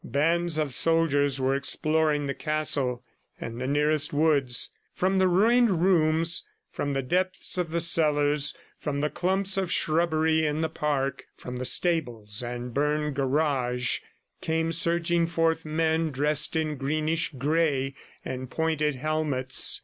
Bands of soldiers were exploring the castle and the nearest woods. From the ruined rooms, from the depths of the cellars, from the clumps of shrubbery in the park, from the stables and burned garage, came surging forth men dressed in greenish gray and pointed helmets.